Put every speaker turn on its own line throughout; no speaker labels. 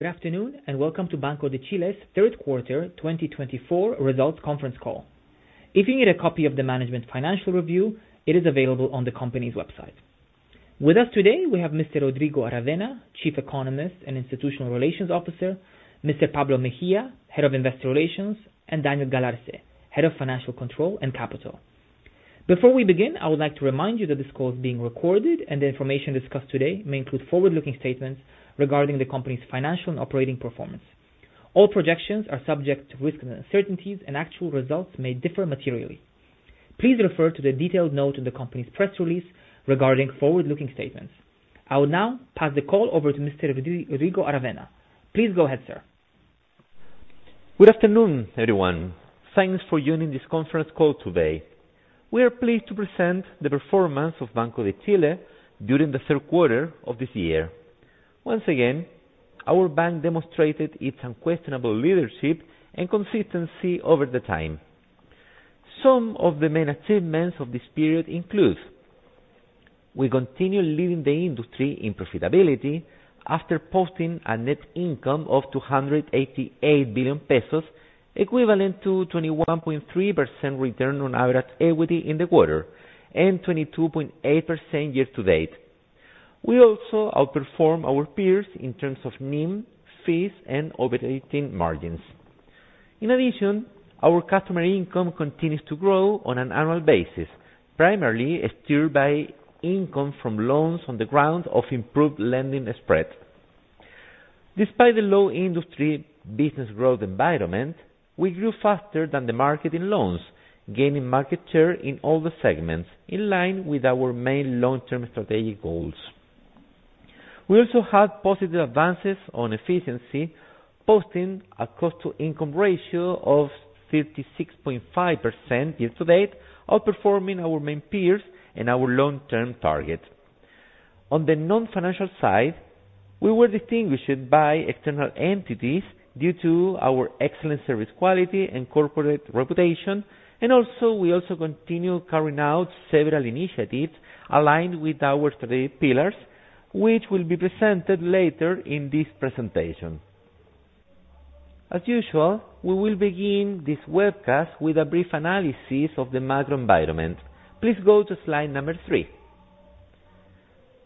Good afternoon, and welcome to Banco de Chile's Third Quarter 2024 Results Conference Call. If you need a copy of the Management Financial Review, it is available on the company's website. With us today, we have Mr. Rodrigo Aravena, Chief Economist and Institutional Relations Officer, Mr. Pablo Mejia, Head of Investor Relations, and Daniel Galarce, Head of Financial Control and Capital. Before we begin, I would like to remind you that this call is being recorded, and the information discussed today may include forward-looking statements regarding the company's financial and operating performance. All projections are subject to risks and uncertainties, and actual results may differ materially. Please refer to the detailed note in the company's press release regarding forward-looking statements. I will now pass the call over to Mr. Rodrigo Aravena. Please go ahead, sir.
Good afternoon, everyone. Thanks for joining this conference call today. We are pleased to present the performance of Banco de Chile during the third quarter of this year. Once again, our bank demonstrated its unquestionable leadership and consistency over time. Some of the main achievements of this period include: we continue leading the industry in profitability after posting a net income of 288 billion pesos, equivalent to a 21.3% return on average equity in the quarter, and 22.8% year-to-date. We also outperform our peers in terms of NIM, fees, and operating margins. In addition, our customer income continues to grow on an annual basis, primarily steered by income from loans on the ground of improved lending spread. Despite the low industry business growth environment, we grew faster than the market in loans, gaining market share in all the segments, in line with our main long-term strategic goals. We also had positive advances on efficiency, posting a cost-to-income ratio of 56.5% year-to-date, outperforming our main peers and our long-term target. On the non-financial side, we were distinguished by external entities due to our excellent service quality and corporate reputation, and we also continue carrying out several initiatives aligned with our strategic pillars, which will be presented later in this presentation. As usual, we will begin this webcast with a brief analysis of the macro environment. Please go to slide number three.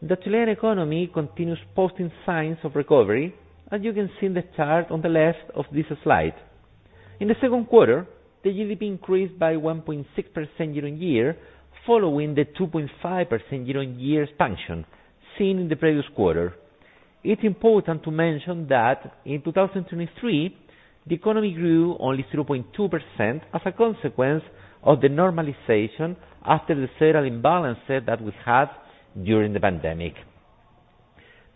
The Chilean economy continues posting signs of recovery, as you can see in the chart on the left of this slide. In the second quarter, the GDP increased by 1.6% year-on-year, following the 2.5% year-on-year expansion seen in the previous quarter. It's important to mention that in 2023, the economy grew only 0.2% as a consequence of the normalization after the several imbalances that we had during the pandemic.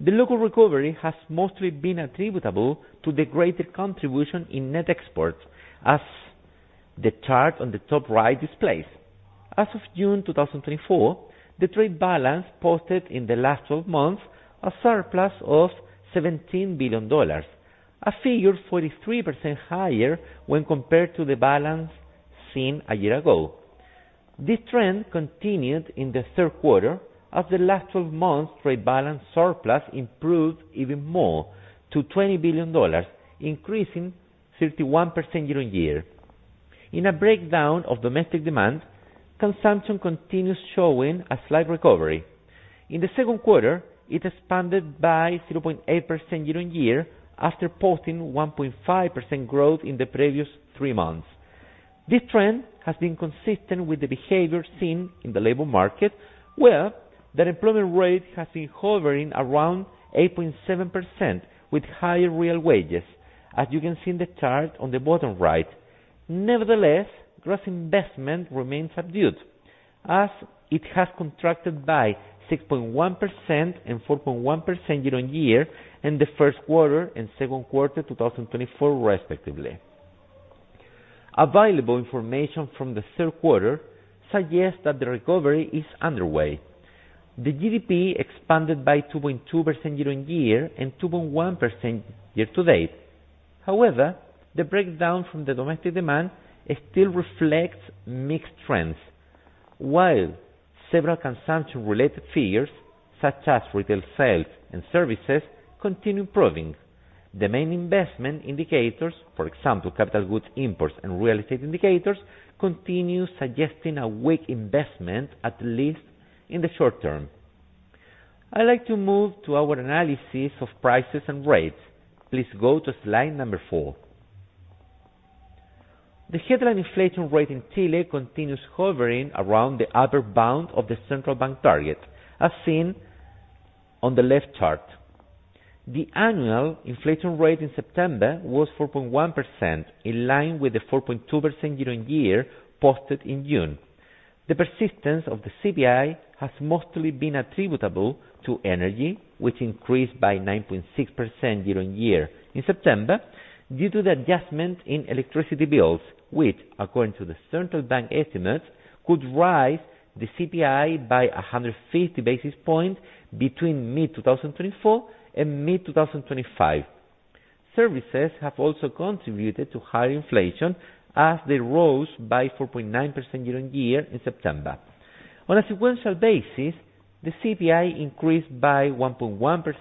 The local recovery has mostly been attributable to the greater contribution in net exports, as the chart on the top right displays. As of June 2024, the trade balance posted in the last 12 months is a surplus of $17 billion, a figure 43% higher when compared to the balance seen a year ago. This trend continued in the third quarter, as the last 12 months' trade balance surplus improved even more to $20 billion, increasing 51% year-on-year. In a breakdown of domestic demand, consumption continues showing a slight recovery. In the second quarter, it expanded by 0.8% year-on-year after posting 1.5% growth in the previous three months. This trend has been consistent with the behavior seen in the labor market, where the employment rate has been hovering around 8.7%, with higher real wages, as you can see in the chart on the bottom right. Nevertheless, gross investment remains subdued, as it has contracted by 6.1% and 4.1% year-on-year in the first quarter and second quarter 2024, respectively. Available information from the third quarter suggests that the recovery is underway. The GDP expanded by 2.2% year-on-year and 2.1% year-to-date. However, the breakdown from the domestic demand still reflects mixed trends, while several consumption-related figures, such as retail sales and services, continue improving. The main investment indicators, for example, capital goods imports and real estate indicators, continue suggesting a weak investment, at least in the short term. I'd like to move to our analysis of prices and rates. Please go to slide number four. The headline inflation rate in Chile continues hovering around the upper bound of the central bank target, as seen on the left chart. The annual inflation rate in September was 4.1%, in line with the 4.2% year-on-year posted in June. The persistence of the CPI has mostly been attributable to energy, which increased by 9.6% year-on-year in September due to the adjustment in electricity bills, which, according to the central bank estimates, could raise the CPI by 150 basis points between mid-2024 and mid-2025. Services have also contributed to higher inflation, as they rose by 4.9% year-on-year in September. On a sequential basis, the CPI increased by 1.1%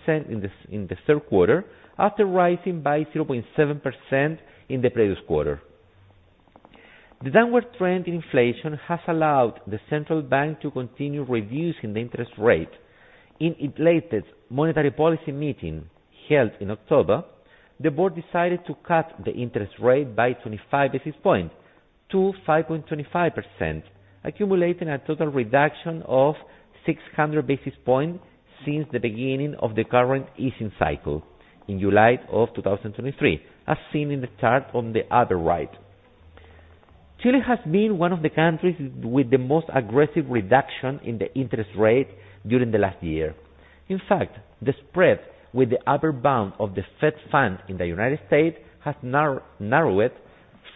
in the third quarter, after rising by 0.7% in the previous quarter. The downward trend in inflation has allowed the central bank to continue reducing the interest rate. In its latest monetary policy meeting held in October, the board decided to cut the interest rate by 25 basis points to 5.25%, accumulating a total reduction of 600 basis points since the beginning of the current easing cycle in July of 2023, as seen in the chart on the upper right. Chile has been one of the countries with the most aggressive reduction in the interest rate during the last year. In fact, the spread with the upper bound of the Fed Funds in the United States has narrowed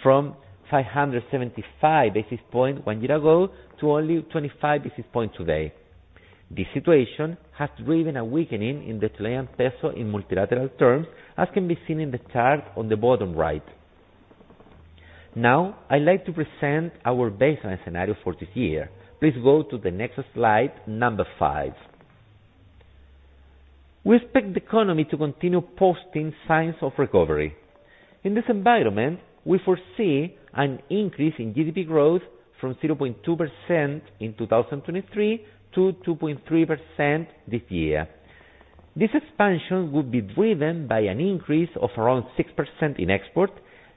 from 575 basis points one year ago to only 25 basis points today. This situation has driven a weakening in the Chilean peso in multilateral terms, as can be seen in the chart on the bottom right. Now, I'd like to present our baseline scenario for this year. Please go to the next slide, number five. We expect the economy to continue posting signs of recovery. In this environment, we foresee an increase in GDP growth from 0.2% in 2023 to 2.3% this year. This expansion would be driven by an increase of around 6% in exports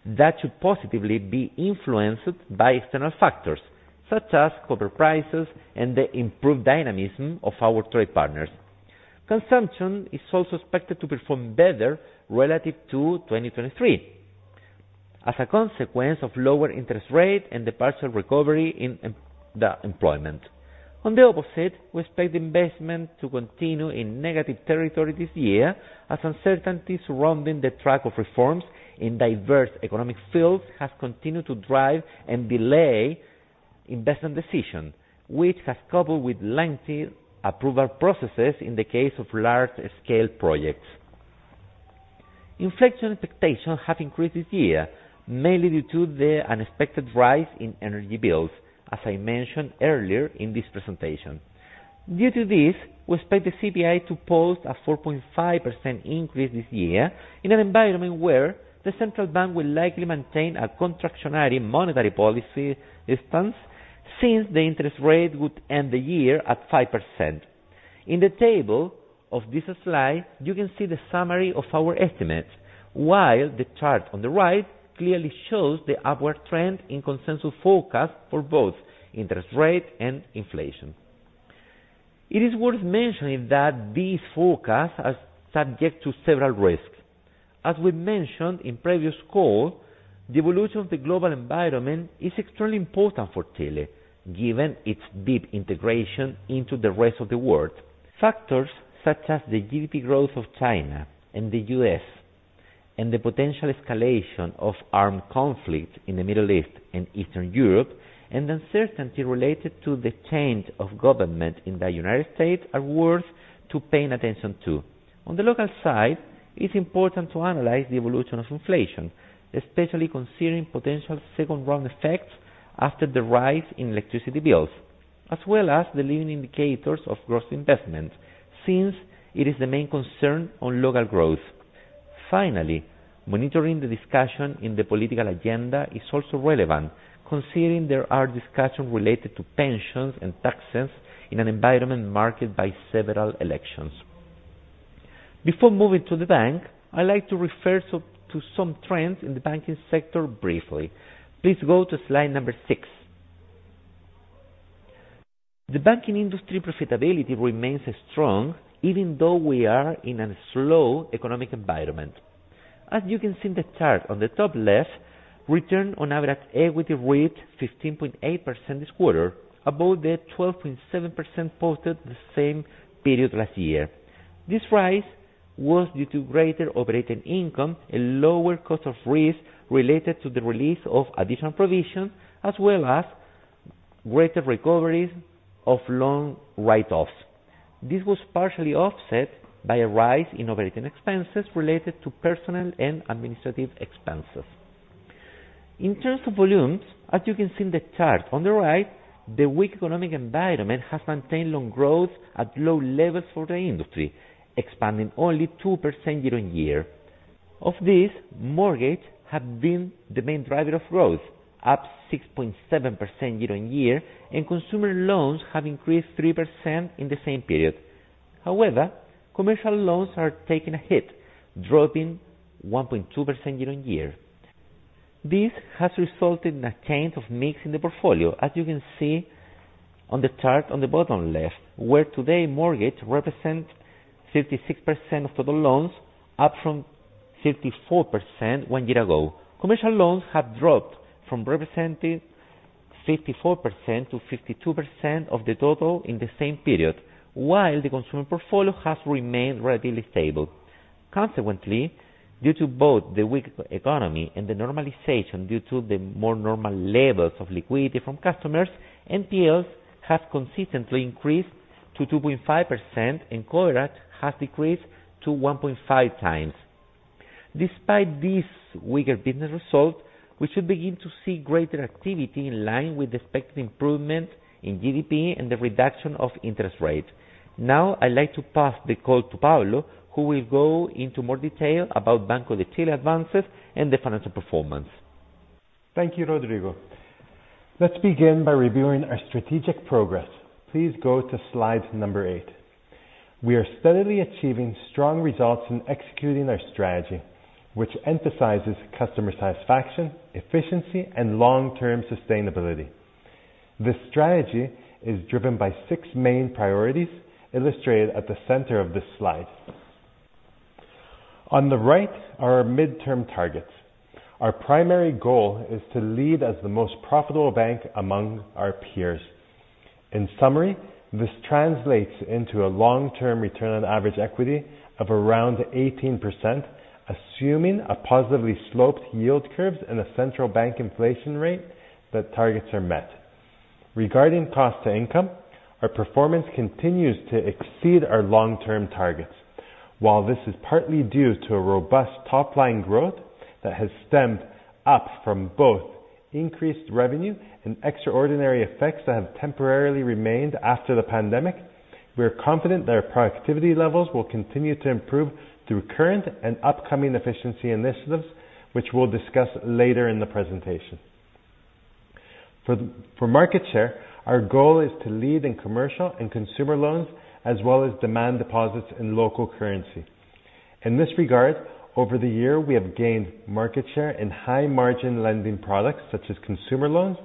that should positively be influenced by external factors, such as copper prices and the improved dynamism of our trade partners. Consumption is also expected to perform better relative to 2023, as a consequence of lower interest rates and the partial recovery in employment. On the opposite, we expect investment to continue in negative territory this year, as uncertainty surrounding the track of reforms in diverse economic fields has continued to drive and delay investment decisions, which has coupled with lengthy approval processes in the case of large-scale projects. Inflation expectations have increased this year, mainly due to the unexpected rise in energy bills, as I mentioned earlier in this presentation. Due to this, we expect the CPI to post a 4.5% increase this year in an environment where the central bank will likely maintain a contractionary monetary policy stance since the interest rate would end the year at 5%. In the table of this slide, you can see the summary of our estimates, while the chart on the right clearly shows the upward trend in consensus forecasts for both interest rates and inflation. It is worth mentioning that these forecasts are subject to several risks. As we mentioned in previous calls, the evolution of the global environment is extremely important for Chile, given its deep integration into the rest of the world. Factors such as the GDP growth of China and the U.S., and the potential escalation of armed conflict in the Middle East and Eastern Europe, and uncertainty related to the change of government in the United States are worth paying attention to. On the local side, it's important to analyze the evolution of inflation, especially considering potential second round effects after the rise in electricity bills, as well as the leading indicators of gross investment, since it is the main concern on local growth. Finally, monitoring the discussion in the political agenda is also relevant, considering there are discussions related to pensions and taxes in an environment marked by several elections. Before moving to the bank, I'd like to refer to some trends in the banking sector briefly. Please go to slide number six. The banking industry profitability remains strong, even though we are in a slow economic environment. As you can see in the chart on the top left, return on average equity reached 15.8% this quarter, above the 12.7% posted the same period last year. This rise was due to greater operating income and lower cost of risk related to the release of additional provisions, as well as greater recoveries of loan write-offs. This was partially offset by a rise in operating expenses related to personal and administrative expenses. In terms of volumes, as you can see in the chart on the right, the weak economic environment has maintained loan growth at low levels for the industry, expanding only 2% year-on-year. Of this, mortgages have been the main driver of growth, up 6.7% year-on-year, and consumer loans have increased 3% in the same period. However, commercial loans are taking a hit, dropping 1.2% year-on-year. This has resulted in a change of mix in the portfolio, as you can see on the chart on the bottom left, where today mortgages represent 36% of total loans, up from 34% one year ago. Commercial loans have dropped from representing 54%-52% of the total in the same period, while the consumer portfolio has remained relatively stable. Consequently, due to both the weak economy and the normalization due to the more normal levels of liquidity from customers, NPLs have consistently increased to 2.5%, and coverage has decreased to 1.5 times. Despite these weaker business results, we should begin to see greater activity in line with the expected improvement in GDP and the reduction of interest rates. Now, I'd like to pass the call to Pablo, who will go into more detail about Banco de Chile advances and the financial performance.
Thank you, Rodrigo. Let's begin by reviewing our strategic progress. Please go to slide number eight. We are steadily achieving strong results in executing our strategy, which emphasizes customer satisfaction, efficiency, and long-term sustainability. This strategy is driven by six main priorities illustrated at the center of this slide. On the right are our midterm targets. Our primary goal is to lead as the most profitable bank among our peers. In summary, this translates into a long-term return on average equity of around 18%, assuming positively sloped yield curves and a central bank inflation rate that targets are met. Regarding cost to income, our performance continues to exceed our long-term targets. While this is partly due to robust top-line growth that has stemmed from both increased revenue and extraordinary effects that have temporarily remained after the pandemic, we are confident that our productivity levels will continue to improve through current and upcoming efficiency initiatives, which we'll discuss later in the presentation. For market share, our goal is to lead in commercial and consumer loans, as well as demand deposits in local currency. In this regard, over the year, we have gained market share in high-margin lending products, such as consumer loans,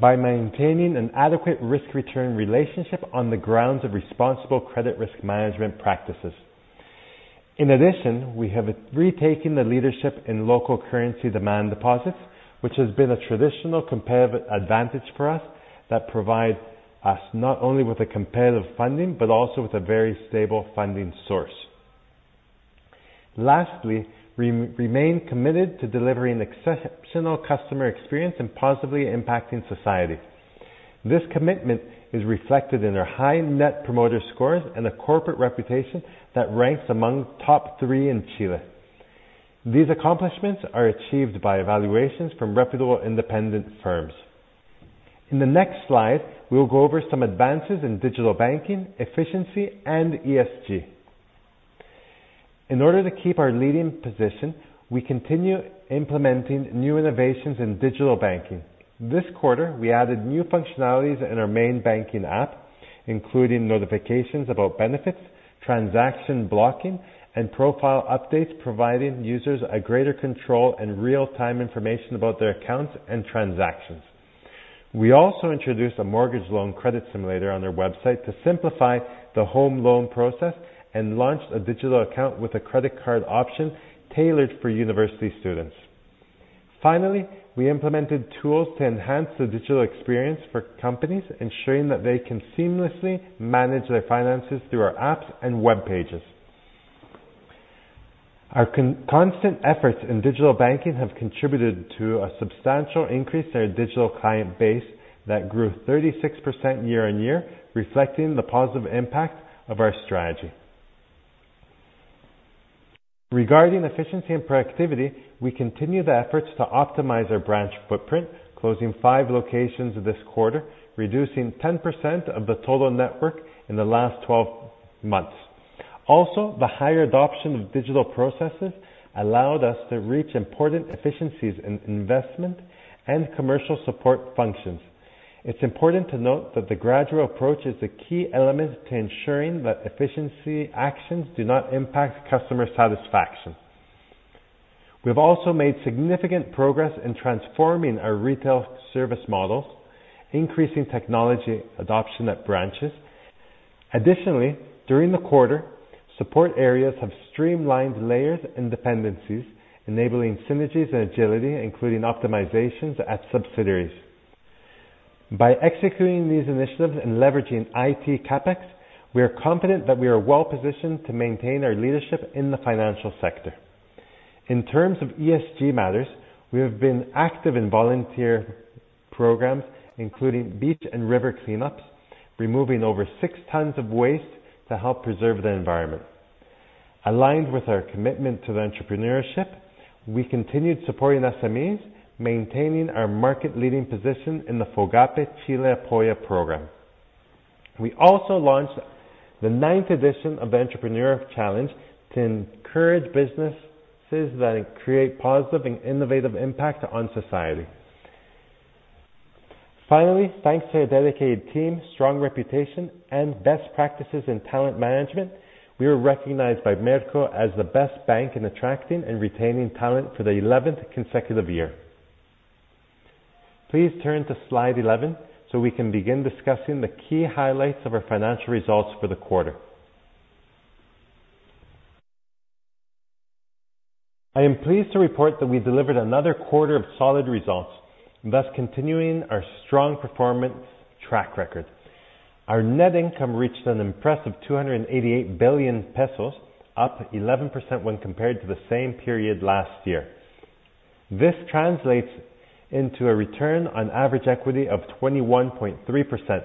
by maintaining an adequate risk-return relationship on the grounds of responsible credit risk management practices. In addition, we have retaken the leadership in local currency demand deposits, which has been a traditional competitive advantage for us that provides us not only with comparative funding but also with a very stable funding source. Lastly, we remain committed to delivering exceptional customer experience and positively impacting society. This commitment is reflected in our high Net Promoter Scores and a corporate reputation that ranks among top three in Chile. These accomplishments are achieved by evaluations from reputable independent firms. In the next slide, we'll go over some advances in digital banking, efficiency, and ESG. In order to keep our leading position, we continue implementing new innovations in digital banking. This quarter, we added new functionalities in our main banking app, including notifications about benefits, transaction blocking, and profile updates, providing users greater control and real-time information about their accounts and transactions. We also introduced a mortgage loan credit simulator on our website to simplify the home loan process and launched a digital account with a credit card option tailored for university students. Finally, we implemented tools to enhance the digital experience for companies, ensuring that they can seamlessly manage their finances through our apps and web pages. Our constant efforts in digital banking have contributed to a substantial increase in our digital client base that grew 36% year-on-year, reflecting the positive impact of our strategy. Regarding efficiency and productivity, we continue the efforts to optimize our branch footprint, closing five locations this quarter, reducing 10% of the total network in the last 12 months. Also, the higher adoption of digital processes allowed us to reach important efficiencies in investment and commercial support functions. It's important to note that the gradual approach is a key element to ensuring that efficiency actions do not impact customer satisfaction. We have also made significant progress in transforming our retail service models, increasing technology adoption at branches. Additionally, during the quarter, support areas have streamlined layers and dependencies, enabling synergies and agility, including optimizations at subsidiaries. By executing these initiatives and leveraging IT CapEx, we are confident that we are well-positioned to maintain our leadership in the financial sector. In terms of ESG matters, we have been active in volunteer programs, including beach and river cleanups, removing over six tons of waste to help preserve the environment. Aligned with our commitment to entrepreneurship, we continued supporting SMEs, maintaining our market-leading position in the Fogapé Chile Apoya Program. We also launched the ninth edition of the Entrepreneur Challenge to encourage businesses that create positive and innovative impact on society. Finally, thanks to our dedicated team, strong reputation, and best practices in talent management, we are recognized by Merco as the best bank in attracting and retaining talent for the 11th consecutive year. Please turn to slide 11 so we can begin discussing the key highlights of our financial results for the quarter. I am pleased to report that we delivered another quarter of solid results, thus continuing our strong performance track record. Our net income reached an impressive 288 billion pesos, up 11% when compared to the same period last year. This translates into a return on average equity of 21.3%,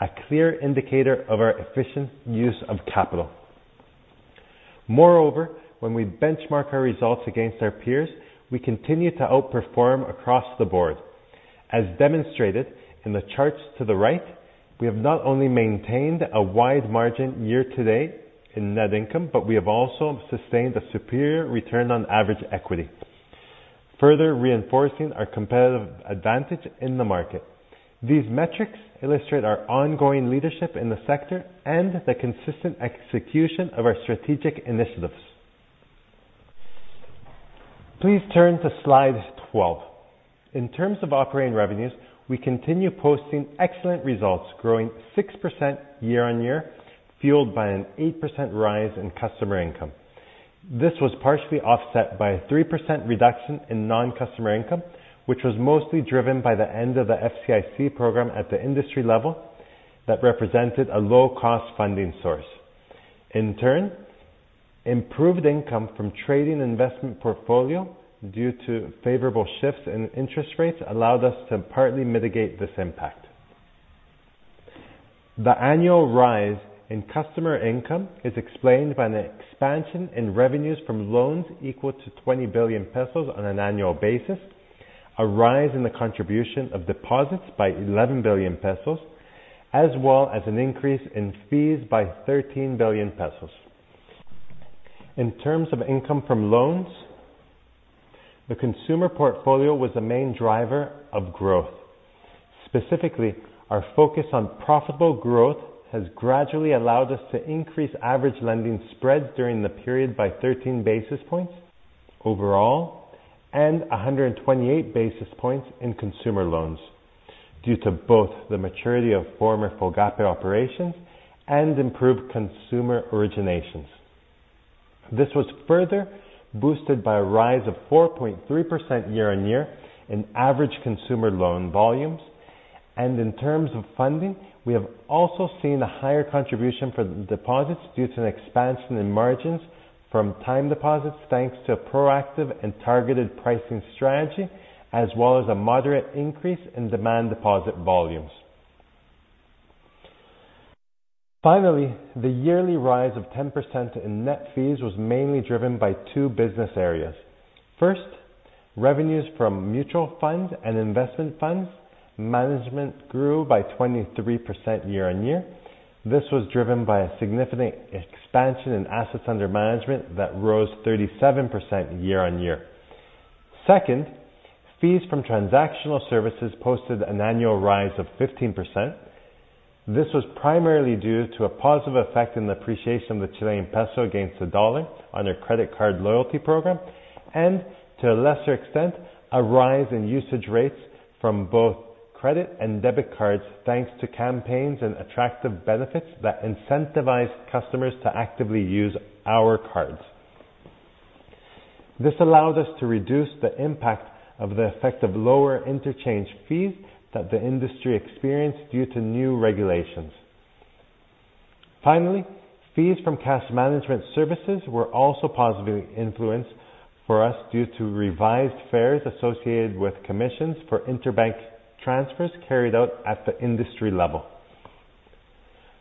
a clear indicator of our efficient use of capital. Moreover, when we benchmark our results against our peers, we continue to outperform across the board. As demonstrated in the charts to the right, we have not only maintained a wide margin year-to-date in net income, but we have also sustained a superior return on average equity, further reinforcing our competitive advantage in the market. These metrics illustrate our ongoing leadership in the sector and the consistent execution of our strategic initiatives. Please turn to slide 12. In terms of operating revenues, we continue posting excellent results, growing 6% year-on-year, fueled by an 8% rise in customer income. This was partially offset by a 3% reduction in non-customer income, which was mostly driven by the end of the FCIC program at the industry level that represented a low-cost funding source. In turn, improved income from trading investment portfolio due to favorable shifts in interest rates allowed us to partly mitigate this impact. The annual rise in customer income is explained by an expansion in revenues from loans equal to 20 billion pesos on an annual basis, a rise in the contribution of deposits by 11 billion pesos, as well as an increase in fees by 13 billion pesos. In terms of income from loans, the consumer portfolio was a main driver of growth. Specifically, our focus on profitable growth has gradually allowed us to increase average lending spreads during the period by 13 basis points overall and 128 basis points in consumer loans due to both the maturity of former Fogapé operations and improved consumer originations. This was further boosted by a rise of 4.3% year-on-year in average consumer loan volumes, and in terms of funding, we have also seen a higher contribution for deposits due to an expansion in margins from time deposits, thanks to a proactive and targeted pricing strategy, as well as a moderate increase in demand deposit volumes. Finally, the yearly rise of 10% in net fees was mainly driven by two business areas. First, revenues from mutual funds and investment funds management grew by 23% year-on-year. This was driven by a significant expansion in assets under management that rose 37% year-on-year. Second, fees from transactional services posted an annual rise of 15%. This was primarily due to a positive effect in the appreciation of the Chilean peso against the dollar on our credit card loyalty program, and to a lesser extent, a rise in usage rates from both credit and debit cards, thanks to campaigns and attractive benefits that incentivize customers to actively use our cards. This allowed us to reduce the impact of the effect of lower interchange fees that the industry experienced due to new regulations. Finally, fees from cash management services were also positively influenced for us due to revised fares associated with commissions for interbank transfers carried out at the industry level.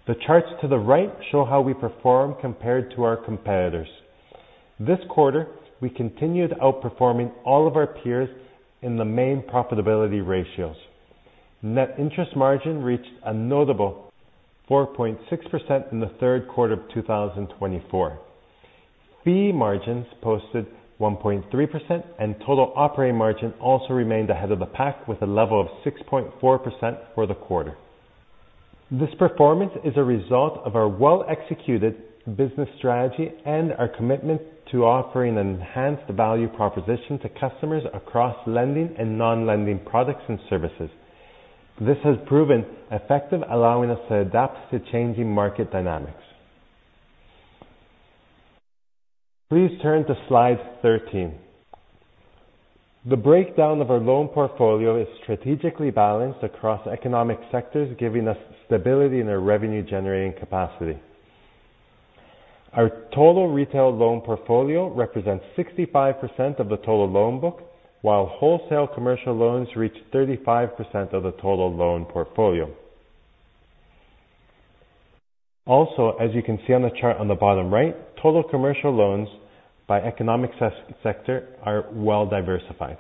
The charts to the right show how we perform compared to our competitors. This quarter, we continued outperforming all of our peers in the main profitability ratios. Net interest margin reached a notable 4.6% in the third quarter of 2024. Fee margins posted 1.3%, and total operating margin also remained ahead of the pack with a level of 6.4% for the quarter. This performance is a result of our well-executed business strategy and our commitment to offering an enhanced value proposition to customers across lending and non-lending products and services. This has proven effective, allowing us to adapt to changing market dynamics. Please turn to slide 13. The breakdown of our loan portfolio is strategically balanced across economic sectors, giving us stability in our revenue-generating capacity. Our total retail loan portfolio represents 65% of the total loan book, while wholesale commercial loans reach 35% of the total loan portfolio. Also, as you can see on the chart on the bottom right, total commercial loans by economic sector are well-diversified.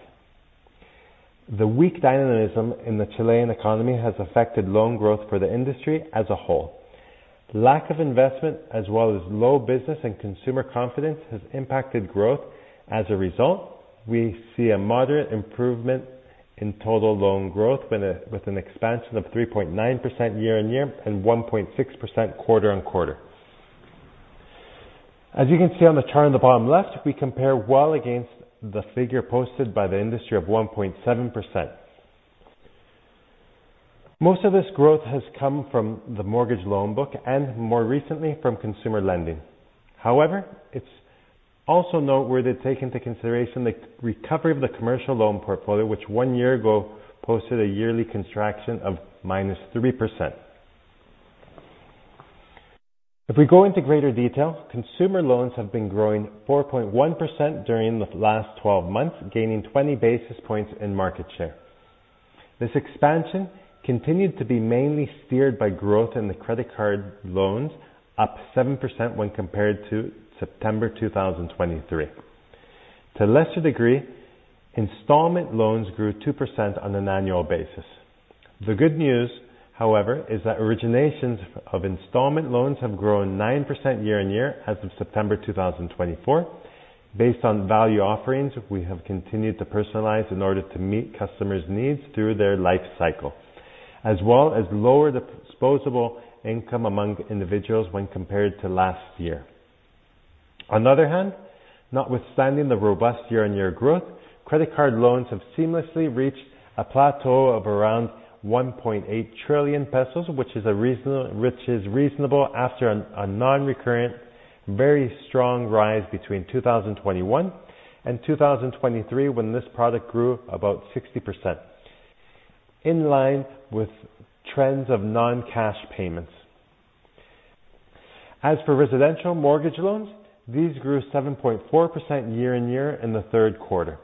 The weak dynamism in the Chilean economy has affected loan growth for the industry as a whole. Lack of investment, as well as low business and consumer confidence, has impacted growth. As a result, we see a moderate improvement in total loan growth with an expansion of 3.9% year-on-year and 1.6% quarter-on-quarter. As you can see on the chart on the bottom left, we compare well against the figure posted by the industry of 1.7%. Most of this growth has come from the mortgage loan book and, more recently, from consumer lending. However, it's also noteworthy taking into consideration the recovery of the commercial loan portfolio, which one year ago posted a yearly contraction of -3%. If we go into greater detail, consumer loans have been growing 4.1% during the last 12 months, gaining 20 basis points in market share. This expansion continued to be mainly steered by growth in the credit card loans, up 7% when compared to September 2023. To a lesser degree, installment loans grew 2% on an annual basis. The good news, however, is that originations of installment loans have grown 9% year-on-year as of September 2024. Based on value offerings, we have continued to personalize in order to meet customers' needs through their life cycle, as well as lower the disposable income among individuals when compared to last year. On the other hand, notwithstanding the robust year-on-year growth, credit card loans have seamlessly reached a plateau of around 1.8 trillion pesos, which is reasonable after a non-recurrent, very strong rise between 2021 and 2023, when this product grew about 60%, in line with trends of non-cash payments. As for residential mortgage loans, these grew 7.4% year-on-year in the third quarter.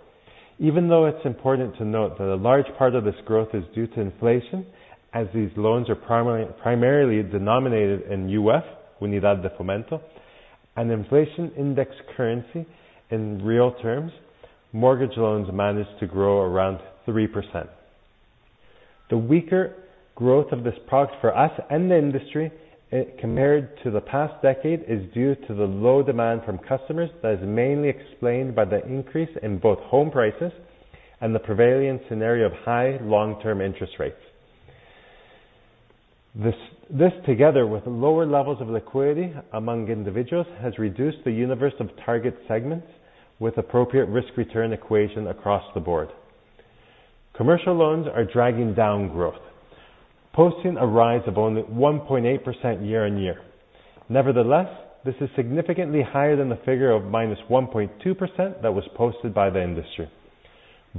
Even though it's important to note that a large part of this growth is due to inflation, as these loans are primarily denominated in UF, Unidad de Fomento, an inflation-indexed currency in real terms, mortgage loans managed to grow around 3%. The weaker growth of this product for us and the industry compared to the past decade is due to the low demand from customers that is mainly explained by the increase in both home prices and the prevailing scenario of high long-term interest rates. This, together with lower levels of liquidity among individuals, has reduced the universe of target segments with appropriate risk-return equation across the board. Commercial loans are dragging down growth, posting a rise of only 1.8% year-on-year. Nevertheless, this is significantly higher than the figure of minus 1.2% that was posted by the industry.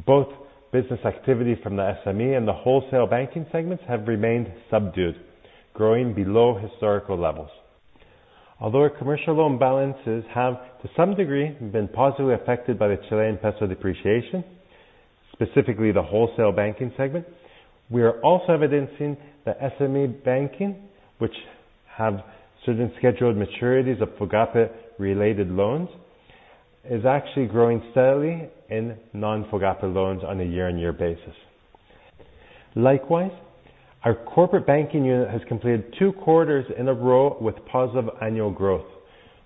Both business activity from the SME and the wholesale banking segments have remained subdued, growing below historical levels. Although commercial loan balances have, to some degree, been positively affected by the Chilean peso depreciation, specifically the wholesale banking segment, we are also evidencing that SME banking, which have certain scheduled maturities of Fogapé-related loans, is actually growing steadily in non-Fogapé loans on a year-on-year basis. Likewise, our corporate banking unit has completed two quarters in a row with positive annual growth,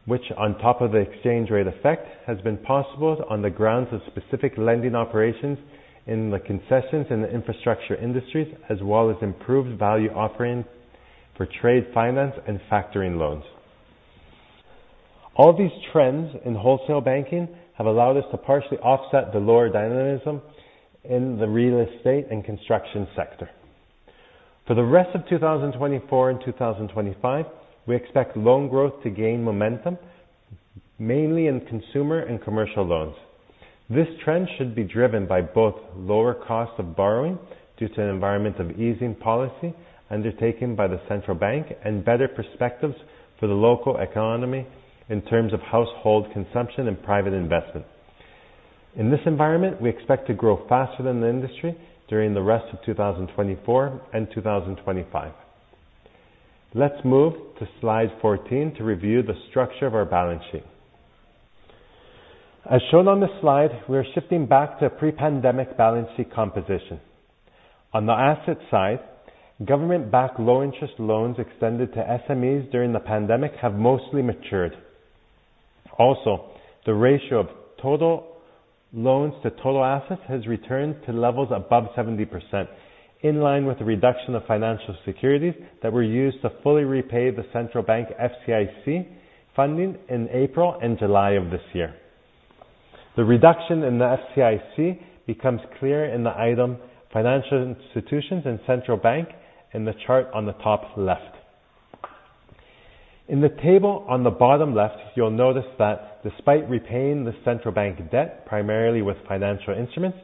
which, on top of the exchange rate effect, has been possible on the grounds of specific lending operations in the concessions and infrastructure industries, as well as improved value offering for trade finance and factoring loans. All these trends in wholesale banking have allowed us to partially offset the lower dynamism in the real estate and construction sector. For the rest of 2024 and 2025, we expect loan growth to gain momentum, mainly in consumer and commercial loans. This trend should be driven by both lower costs of borrowing due to an environment of easing policy undertaken by the central bank and better perspectives for the local economy in terms of household consumption and private investment. In this environment, we expect to grow faster than the industry during the rest of 2024 and 2025. Let's move to slide 14 to review the structure of our balance sheet. As shown on the slide, we are shifting back to a pre-pandemic balance sheet composition. On the asset side, government-backed low-interest loans extended to SMEs during the pandemic have mostly matured. Also, the ratio of total loans to total assets has returned to levels above 70%, in line with the reduction of financial securities that were used to fully repay the central bank FCIC funding in April and July of this year. The reduction in the FCIC becomes clear in the item financial institutions and central bank in the chart on the top left. In the table on the bottom left, you'll notice that despite repaying the central bank debt primarily with financial instruments,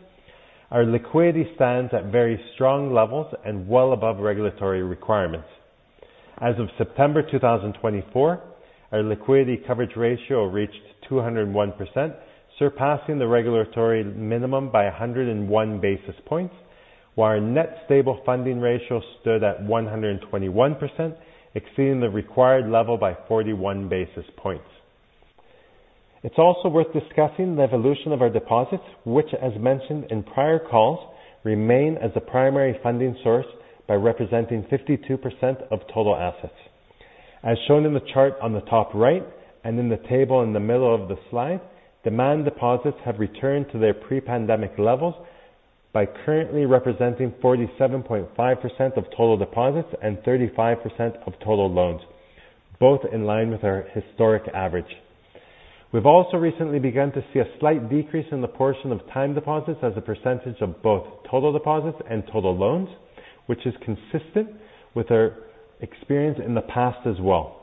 our liquidity stands at very strong levels and well above regulatory requirements. As of September 2024, our liquidity coverage ratio reached 201%, surpassing the regulatory minimum by 101 basis points, while our net stable funding ratio stood at 121%, exceeding the required level by 41 basis points. It's also worth discussing the evolution of our deposits, which, as mentioned in prior calls, remain as the primary funding source by representing 52% of total assets. As shown in the chart on the top right and in the table in the middle of the slide, demand deposits have returned to their pre-pandemic levels by currently representing 47.5% of total deposits and 35% of total loans, both in line with our historic average. We've also recently begun to see a slight decrease in the portion of time deposits as a percentage of both total deposits and total loans, which is consistent with our experience in the past as well.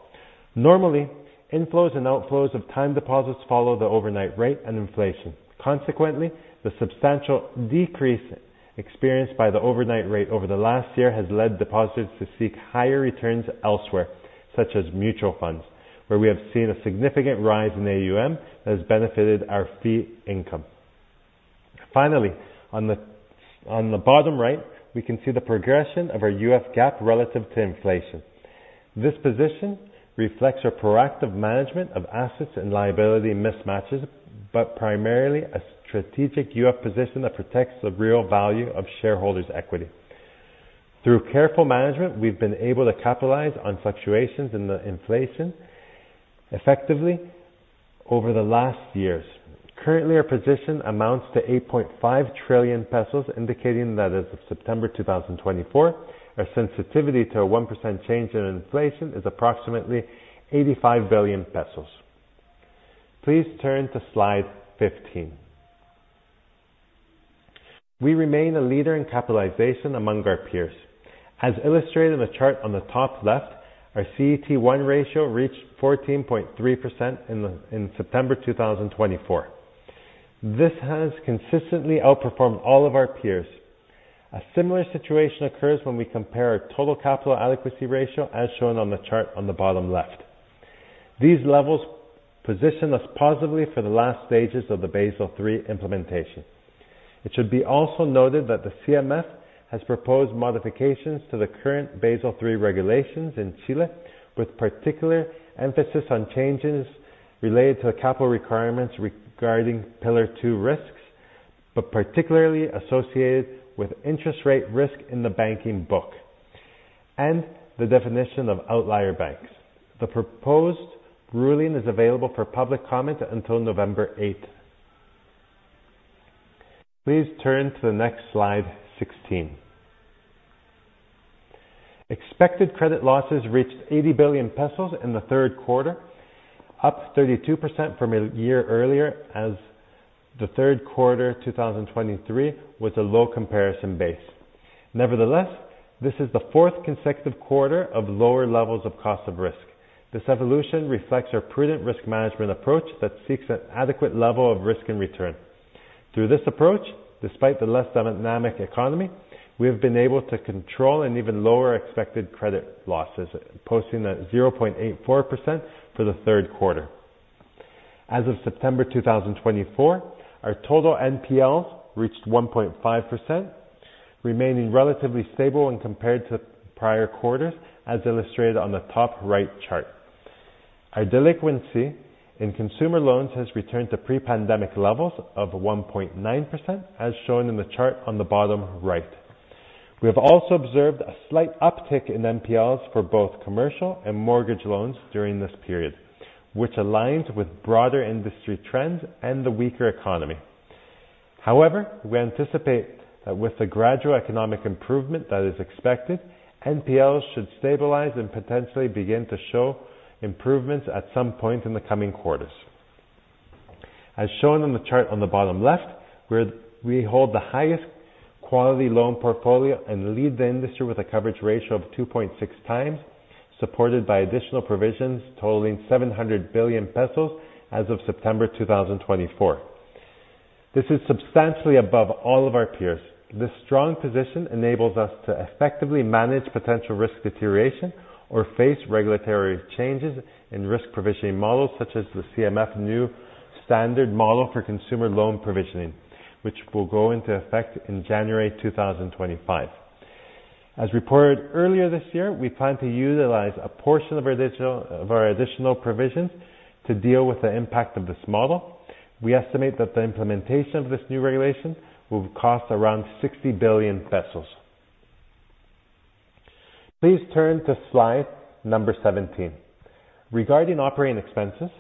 Normally, inflows and outflows of time deposits follow the overnight rate and inflation. Consequently, the substantial decrease experienced by the overnight rate over the last year has led depositors to seek higher returns elsewhere, such as mutual funds, where we have seen a significant rise in AUM that has benefited our fee income. Finally, on the bottom right, we can see the progression of our UF gap relative to inflation. This position reflects our proactive management of assets and liability mismatches, but primarily a strategic UF position that protects the real value of shareholders' equity. Through careful management, we've been able to capitalize on fluctuations in the inflation effectively over the last years. Currently, our position amounts to 8.5 trillion pesos, indicating that as of September 2024, our sensitivity to a 1% change in inflation is approximately 85 billion pesos. Please turn to slide 15. We remain a leader in capitalization among our peers. As illustrated in the chart on the top left, our CET1 ratio reached 14.3% in September 2024. This has consistently outperformed all of our peers. A similar situation occurs when we compare our total capital adequacy ratio, as shown on the chart on the bottom left. These levels position us positively for the last stages of the Basel III implementation. It should be also noted that the CMF has proposed modifications to the current Basel III regulations in Chile, with particular emphasis on changes related to the capital requirements regarding Pillar II risks, but particularly associated with interest rate risk in the banking book and the definition of outlier banks. The proposed ruling is available for public comment until November 8th. Please turn to the next slide, 16. Expected credit losses reached 80 billion pesos in the third quarter, up 32% from a year earlier, as the third quarter 2023 was a low comparison base. Nevertheless, this is the fourth consecutive quarter of lower levels of cost of risk. This evolution reflects our prudent risk management approach that seeks an adequate level of risk and return. Through this approach, despite the less dynamic economy, we have been able to control and even lower expected credit losses, posting at 0.84% for the third quarter. As of September 2024, our total NPLs reached 1.5%, remaining relatively stable when compared to prior quarters, as illustrated on the top right chart. Our delinquency in consumer loans has returned to pre-pandemic levels of 1.9%, as shown in the chart on the bottom right. We have also observed a slight uptick in NPLs for both commercial and mortgage loans during this period, which aligns with broader industry trends and the weaker economy. However, we anticipate that with the gradual economic improvement that is expected, NPLs should stabilize and potentially begin to show improvements at some point in the coming quarters. As shown on the chart on the bottom left, we hold the highest quality loan portfolio and lead the industry with a coverage ratio of 2.6 times, supported by additional provisions totaling 700 billion pesos as of September 2024. This is substantially above all of our peers. This strong position enables us to effectively manage potential risk deterioration or face regulatory changes in risk provisioning models, such as the CMF new standard model for consumer loan provisioning, which will go into effect in January 2025. As reported earlier this year, we plan to utilize a portion of our additional provisions to deal with the impact of this model. We estimate that the implementation of this new regulation will cost around 60 billion pesos. Please turn to slide number 17. Regarding operating expenses,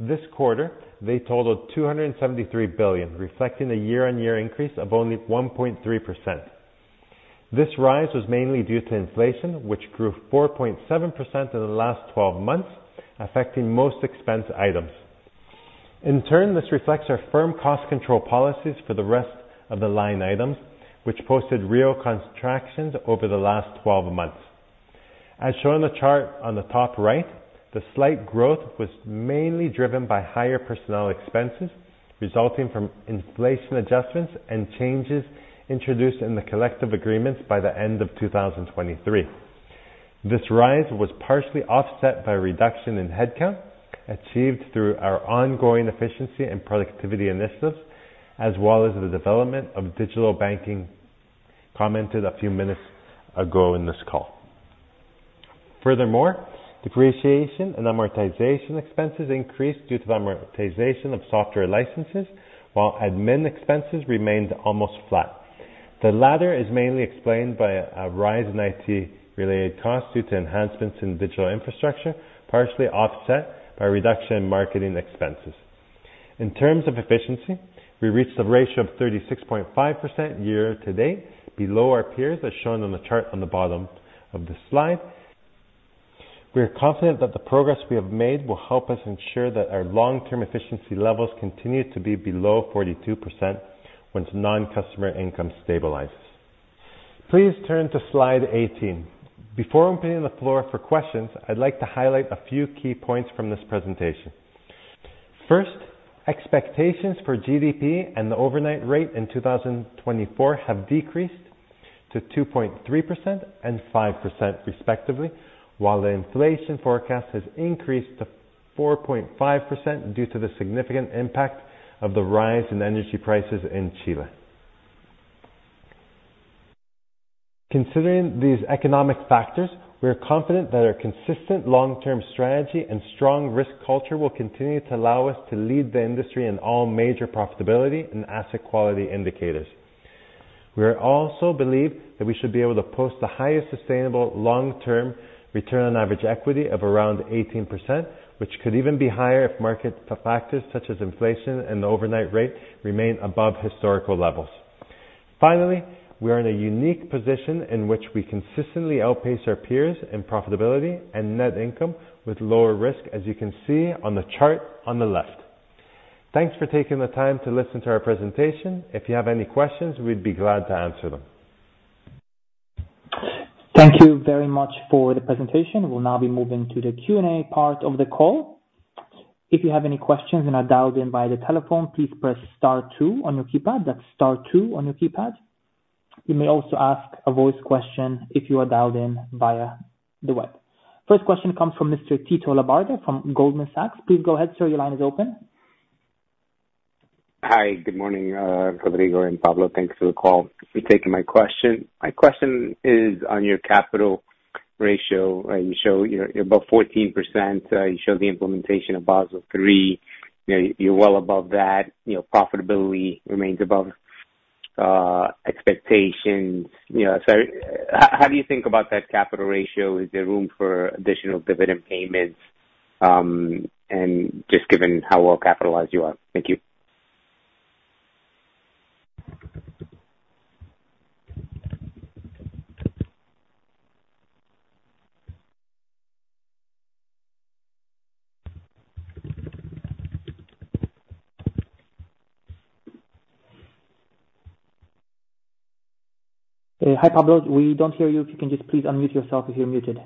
this quarter, they totaled 273 billion, reflecting a year-on-year increase of only 1.3%. This rise was mainly due to inflation, which grew 4.7% in the last 12 months, affecting most expense items. In turn, this reflects our firm cost control policies for the rest of the line items, which posted real contractions over the last 12 months. As shown on the chart on the top right, the slight growth was mainly driven by higher personnel expenses resulting from inflation adjustments and changes introduced in the collective agreements by the end of 2023. This rise was partially offset by a reduction in headcount achieved through our ongoing efficiency and productivity initiatives, as well as the development of digital banking commented a few minutes ago in this call. Furthermore, depreciation and amortization expenses increased due to the amortization of software licenses, while admin expenses remained almost flat. The latter is mainly explained by a rise in IT-related costs due to enhancements in digital infrastructure, partially offset by reduction in marketing expenses. In terms of efficiency, we reached a ratio of 36.5% year-to-date, below our peers as shown on the chart on the bottom of the slide. We are confident that the progress we have made will help us ensure that our long-term efficiency levels continue to be below 42% once non-customer income stabilizes. Please turn to slide 18. Before opening the floor for questions, I'd like to highlight a few key points from this presentation. First, expectations for GDP and the overnight rate in 2024 have decreased to 2.3% and 5%, respectively, while the inflation forecast has increased to 4.5% due to the significant impact of the rise in energy prices in Chile. Considering these economic factors, we are confident that our consistent long-term strategy and strong risk culture will continue to allow us to lead the industry in all major profitability and asset quality indicators. We also believe that we should be able to post the highest sustainable long-term return on average equity of around 18%, which could even be higher if market factors such as inflation and the overnight rate remain above historical levels. Finally, we are in a unique position in which we consistently outpace our peers in profitability and net income with lower risk, as you can see on the chart on the left. Thanks for taking the time to listen to our presentation. If you have any questions, we'd be glad to answer them.
Thank you very much for the presentation. We'll now be moving to the Q&A part of the call. If you have any questions and are dialed in by the telephone, please press star two on your keypad. That's star two on your keypad. You may also ask a voice question if you are dialed in via the web. First question comes from Mr. Tito Labarta from Goldman Sachs. Please go ahead, sir. Your line is open.
Hi, good morning, Rodrigo and Pablo. Thanks for the call. I'm taking my question. My question is on your capital ratio. You show you're above 14%. You show the implementation of Basel III. You're well above that. You know, profitability remains above uh expectations. You know, how do you think about that capital ratio? Is there room for additional dividend payments um and just given how well capitalized you are? Thank you.
Hi, Pablo. We don't hear you. If you can just please unmute yourself if you're muted.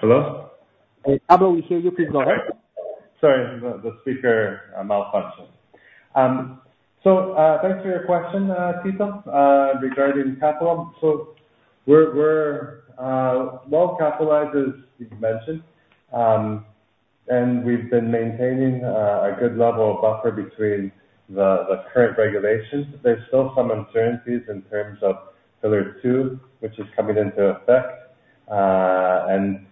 Hello?
Pablo, we hear you. Please go ahead.
Sorry, the speaker malfunctioned. So thanks for your question, Tito, regarding capital. So we're well capitalized, as you mentioned, and we've been maintaining a good level of buffer between the current regulations. There's still some uncertainties in terms of Pillar II, which is coming into effect, and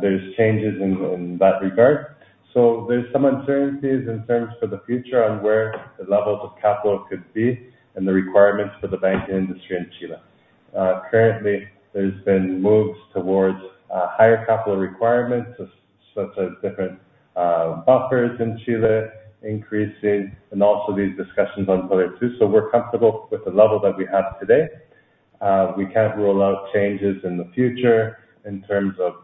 there's changes in that regard. So there's some uncertainties in terms for the future on where the levels of capital could be and the requirements for the banking industry in Chile. Currently, there's been moves towards higher capital requirements, such as different buffers in Chile increasing, and also these discussions on Pillar II. So we're comfortable with the level that we have today. We can't rule out changes in the future in terms of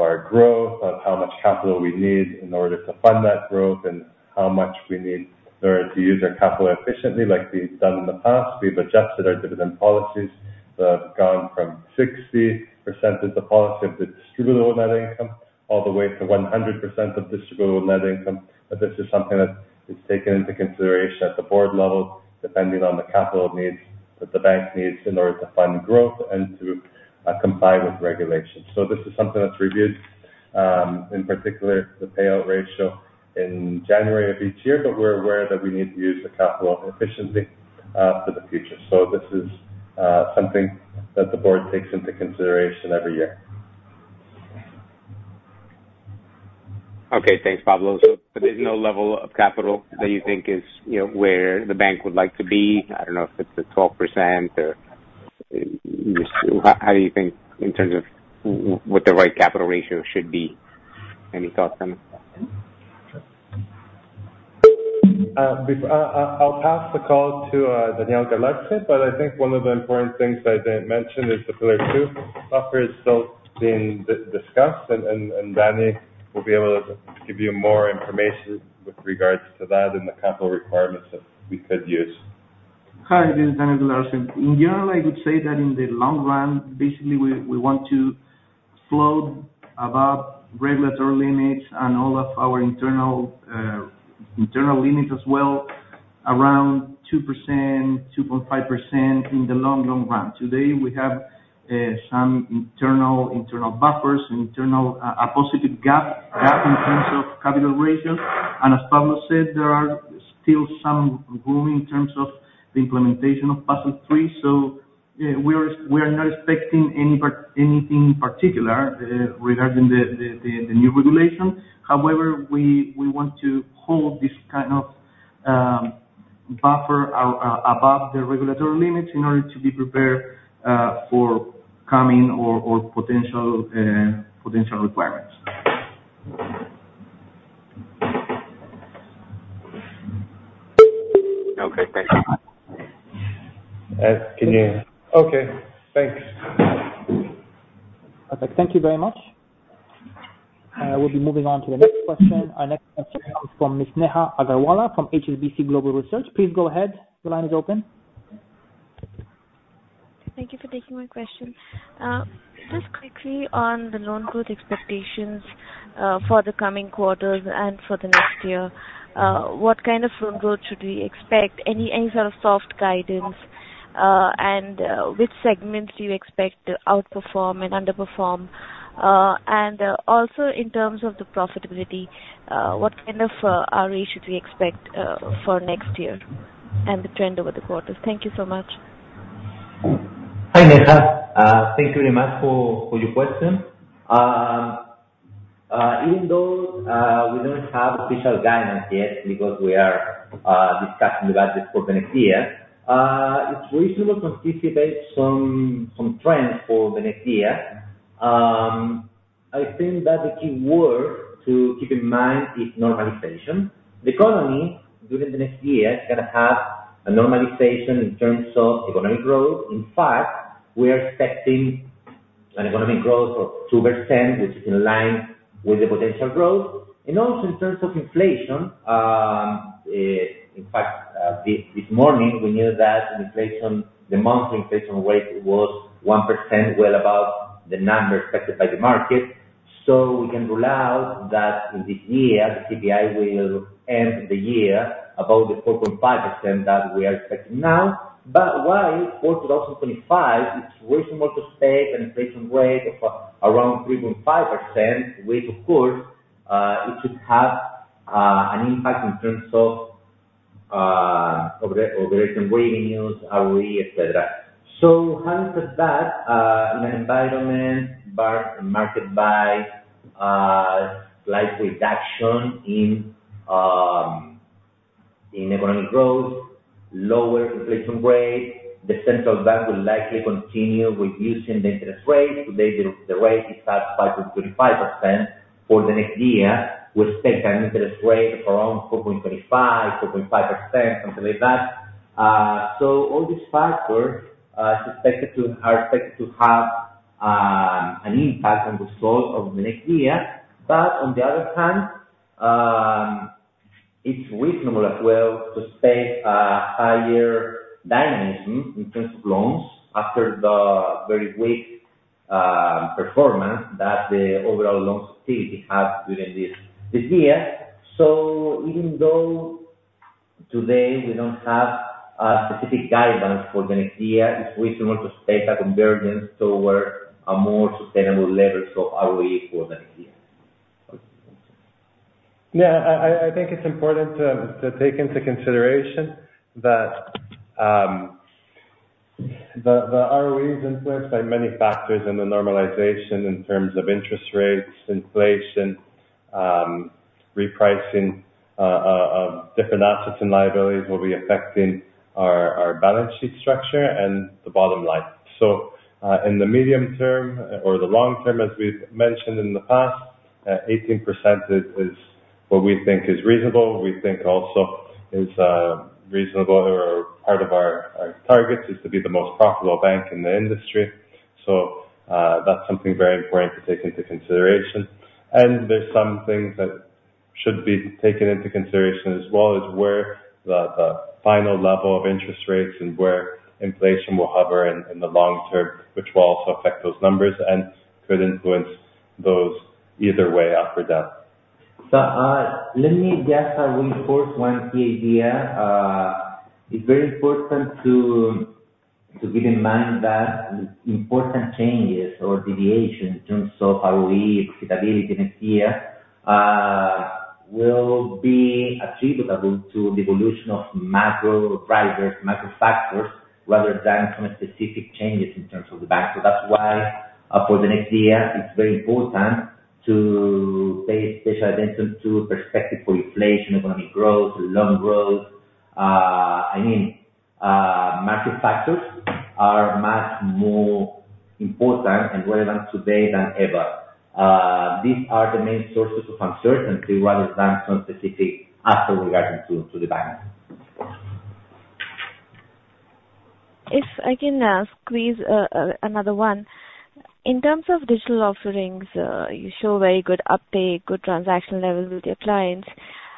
our growth, of how much capital we need in order to fund that growth, and how much we need to use our capital efficiently, like we've done in the past. We've adjusted our dividend policies that have gone from 60% of the policy of the distributable net income all the way to 100% of distributable net income. But this is something that is taken into consideration at the board level, depending on the capital needs that the bank needs in order to fund growth and to comply with regulations. So this is something that's reviewed, in particular the payout ratio in January of each year, but we're aware that we need to use the capital efficiently for the future. So this is something that the board takes into consideration every year.
Okay, thanks, Pablo. So there's no level of capital that you think is where the bank would like to be. I don't know if it's at 12% or how do you think in terms of what the right capital ratio should be? Any thoughts on it?
I'll pass the call to Daniel Galarce, but I think one of the important things I didn't mention is the Pillar II buffer is still being discussed, and Danny will be able to give you more information with regards to that and the capital requirements that we could use.
Hi, this is Daniel Galarce. In general, I would say that in the long run, basically, we want to float above regulatory limits and all of our internal uh internal limits as well around 2%, 2.5% in the long, long run. Today, we have some internal, internal buffers, internal uh a positive gap in terms of capital ratios, and as Pablo said, there are still some room in terms of the implementation of Basel III. So we are not expecting anything in particular regarding the new regulation. However, we want to hold this kind of uh buffer above the regulatory limits in order to be prepared uh for coming or potential requirements.
Okay, thanks.
Can you?
Okay, thanks.
Perfect. Thank you very much. We'll be moving on to the next question. Our next question is from Ms. Neha Agarwala from HSBC Global Research. Please go ahead. Your line is open.
Thank you for taking my question. Just quickly on the loan growth expectations uh for the coming quarters and for the next year. Uh what kind of loan growth should we expect? Any sort of soft guidance? Uh, and which segments do you expect to outperform and underperform? Uh, and also in terms of the profitability, uh what kind of ROE should we expect for next year and the trend over the quarters? Thank you so much.
Hi, Neha. Uh thank you very much for your question. Even though uh we don't have official guidance yet because uh we are discussing the budgets for the next year, uh it's reasonable to anticipate some trends for the next year. Um I think that the key word to keep in mind is normalization. The economy during the next year is going to have a normalization in terms of economic growth. In fact, we are expecting an economic growth of 2%, which is in line with the potential growth. And also, in terms of inflation, um in fact, this morning, we knew that the monthly inflation rate was 1%, well above the number expected by the market. So we can rule out that in this year, the CPI will end the year above the 4.5% that we are expecting now. But while for 2025, it's reasonable to expect an inflation rate of around 3.5%, which, of course, it should have an impact in terms of uh operating revenues, ROE, etc. So having said that, uh in an environment marked by uh slight reduction in um economic growth, lower inflation rate, the central bank will likely continue with using the interest rate. Today, the rate is at 5.35% for the next year. We expect an interest rate of around 4.25%-4.5%, something like that. So all these factors are expected to have an impact on the result of the next year. But on the other hand, it's reasonable as well to expect a higher dynamism in terms of loans after the very weak performance that the overall lending activity has during this year. So even though today we don't have a specific guidance for the next year, it's reasonable to expect a convergence toward a more sustainable level of ROE for the next year.
Yeah, I think it's important to take into consideration that um the ROE is influenced by many factors in the normalization in terms of interest rates, inflation, um repricing of uh different assets and liabilities will be affecting our balance sheet structure and the bottom line. So uh in the medium term or the long term, as we've mentioned in the past, 18% is what we think is reasonable. We think also is reasonable or part of our targets is to be the most profitable bank in the industry. So uh that's something very important to take into consideration. And there's some things that should be taken into consideration as well as where the final level of interest rates and where inflation will hover in the long term, which will also affect those numbers and could influence those either way, up or down.
So let me just reinforce one key idea. uh It's very important to keep in mind that important changes or deviations in terms of ROE, profitability next year uh, will be attributable to the evolution of macro drivers, macro factors, rather than some specific changes in terms of the bank. So that's why for the next year, it's very important to pay special attention to perspective for inflation, economic growth, loan growth. uh I mean, uh macro factors are much more important and relevant today than ever. Uh these are the main sources of uncertainty rather than some specific factors regarding to the bank.
If I can squeeze another one. In terms of digital offerings, you show very good uptake, good transaction levels with your clients.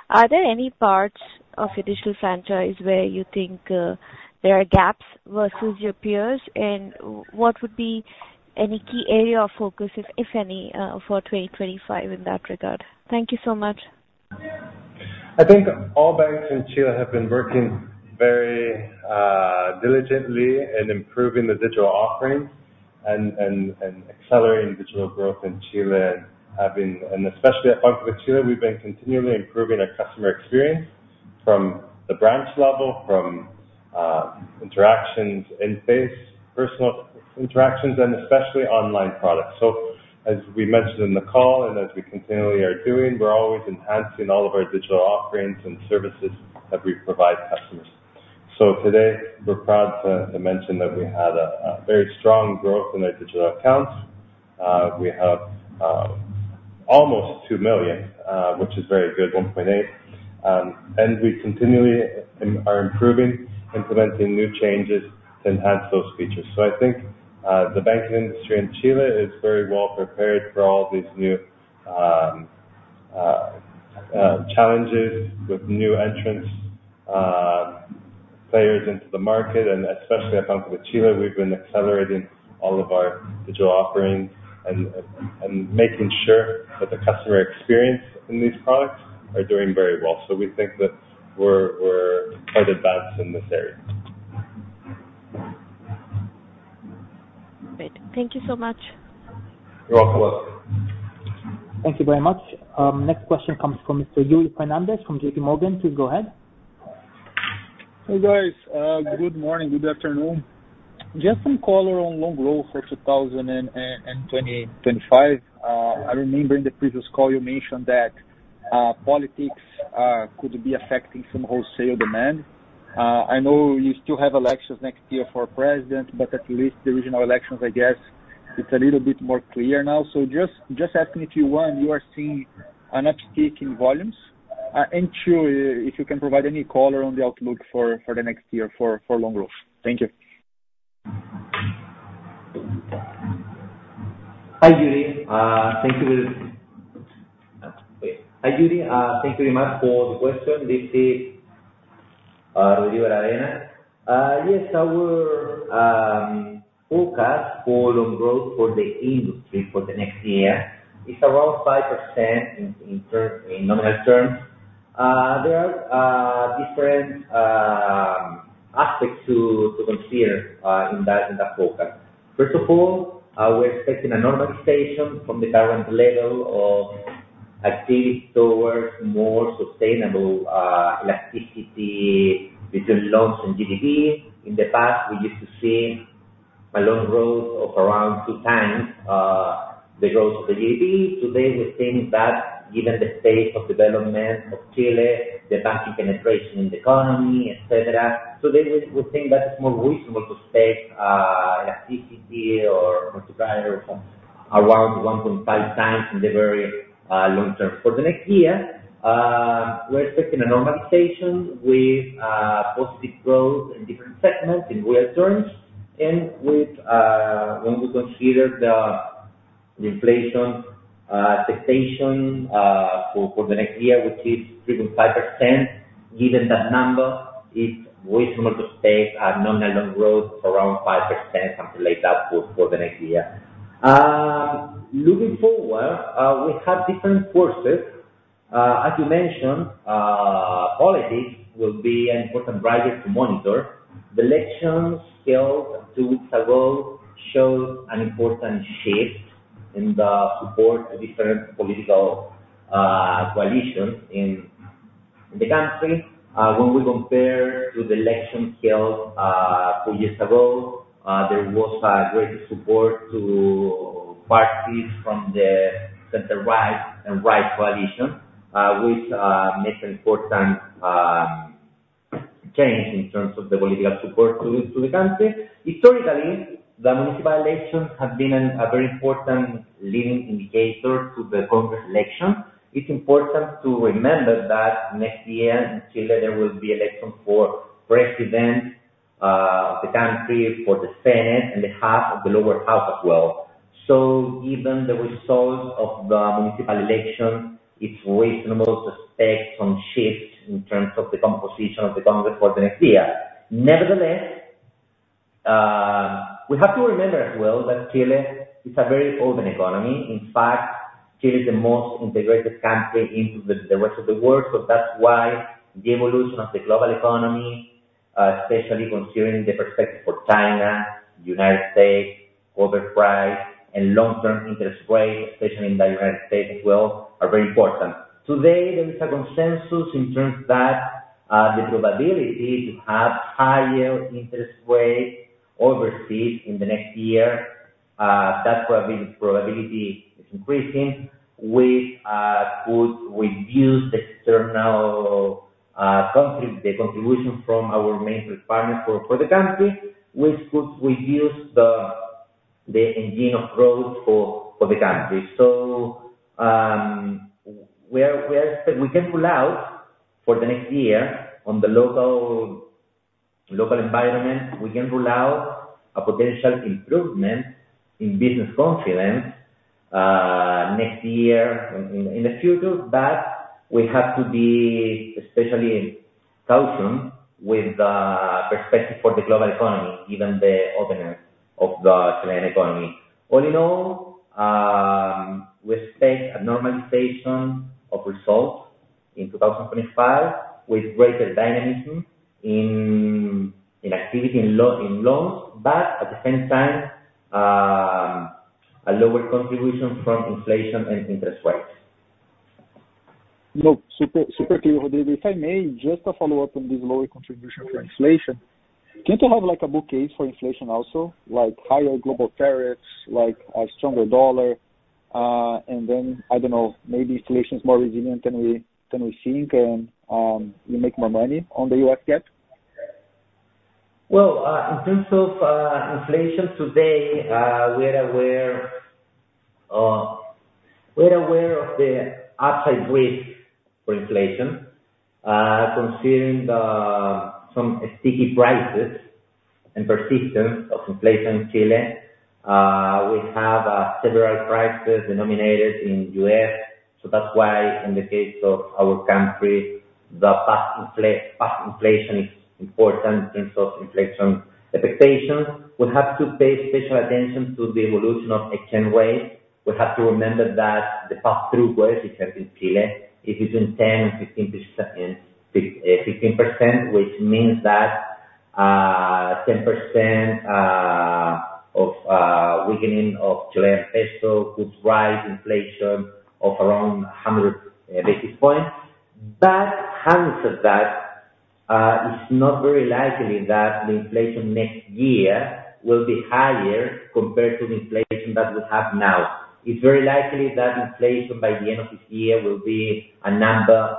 Are there any parts of your digital franchise where you think there are gaps versus your peers? And what would be any key area of focus, if any, for 2025 in that regard? Thank you so much.
I think all banks in Chile have been working very diligently in improving the digital offerings and accelerating digital growth in Chile, and especially at Banco de Chile, we've been continually improving our customer experience from the branch level, from interactions in face, personal interactions, and especially online products. As we mentioned in the call and as we continually are doing, we're always enhancing all of our digital offerings and services that we provide customers. Today, we're proud to mention that we had a very strong growth in our digital accounts. We have almost two million, which is very good, 1.8. And we continually are improving, implementing new changes to enhance those features. I think the banking industry in Chile is very well prepared for all these new challenges with new entrants, uh players into the market. Especially at Banco de Chile, we've been accelerating all of our digital offerings and making sure that the customer experience in these products are doing very well. We think that we're quite advanced in this area.
Great. Thank you so much.
You're welcome.
Thank you very much. Next question comes from Mr. Yuri Fernandez from JPMorgan. Please go ahead.
Hey, guys. Good morning. Good afternoon. Just some color on loan growth for 2025. I remember in the previous call, you mentioned that politics could be affecting some wholesale demand. I know you still have elections next year for president, but at least the regional elections, I guess, it's a little bit more clear now. So just asking if you want, you are seeing an uptick in volumes. And if you can provide any color on the outlook for the next year for loan growth. Thank you.
Hi, Yuri. Thank you very much. Hi, Yuri. Thank you very much for the question. This is Rodrigo Aravena. Yes, our forecast for loan growth for the industry for the next year is around 5% in nominal terms. There are different aspects to consider in that forecast. First of all, we're expecting a normalization from the current level of activity towards more sustainable elasticity between loans and GDP. In the past, we used to see a loan growth of around two times the growth of the GDP. Today, we think that given the pace of development of Chile, the banking penetration in the economy, etc., today, we think that it's more reasonable to expect elasticity or multipliers around 1.5 times in the very long term. For the next year, we're expecting a normalization with positive growth in different segments in real terms, and when we consider the inflation expectation for the next year, which is 3.5%, given that number, it's reasonable to expect nominal loan growth around 5%, something like that for the next year. Looking forward, we have different forces. As you mentioned, politics will be an important driver to monitor. The elections held two weeks ago showed an important shift in the support of different political coalitions in the country. When we compare to the elections held four years ago, there was greater support to parties from the center-right and right coalition, which makes an important change in terms of the political support to the country. Historically, the municipal elections have been a very important leading indicator to the Congress election. It's important to remember that next year in Chile, there will be elections for president of the country, for the Senate, and the half of the Lower House as well. So given the result of the municipal elections, it's reasonable to expect some shifts in terms of the composition of the Congress for the next year. Nevertheless, we have to remember as well that Chile is a very open economy. In fact, Chile is the most integrated country into the rest of the world. So that's why the evolution of the global economy, especially considering the perspective for China, the United States, copper price, and long-term interest rates, especially in the United States as well, are very important. Today, there is a consensus in terms that the probability to have higher interest rates overseas in the next year, that probability is increasing, which could reduce the external contribution from our main partners for the country, which could reduce the engine of growth for the country. So we can rule out for the next year on the local environment. We can rule out a potential improvement in business confidence next year in the future, but we have to be especially cautious with the perspective for the global economy, given the opening of the Chilean economy. All in all, we expect a normalization of results in 2025 with greater dynamism in activity in loans, but at the same time, a lower contribution from inflation and interest rates.
No, super clear. Rodrigo, if I may, just a follow-up on this lower contribution for inflation. Can't you have an upside for inflation also, like higher global tariffs, like a stronger dollar? And then, I don't know, maybe inflation is more resilient than we think, and you make more money on the U.S. debt?
Well, in terms of inflation today, we're aware of the upside risk for inflation. Considering some sticky prices and persistence of inflation in Chile, we have several prices denominated in U.S. So that's why, in the case of our country, the past inflation is important in terms of inflation expectations. We have to pay special attention to the evolution of exchange rates. We have to remember that the pass-through in Chile is between 10% and 15%, which means that 10% of weakening of Chilean peso could drive inflation of around 100 basis points, but having said that, it's not very likely that the inflation next year will be higher compared to the inflation that we have now. It's very likely that inflation by the end of this year will be a number